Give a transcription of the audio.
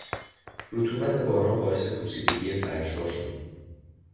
رطوبت باران باعث پوسیدگی فرشها شد.